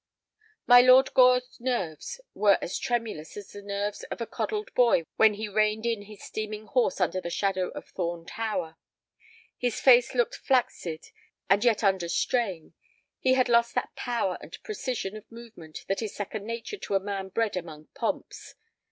My Lord Gore's nerves were as tremulous as the nerves of a coddled boy when he reined in his steaming horse under the shadow of Thorn tower. His face looked flaccid and yet under strain, he had lost that power and precision of movement that is second nature to a man bred among pomps.